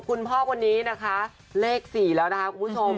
คุณพ่อคนนี้นะคะเลข๔แล้วนะคะคุณผู้ชม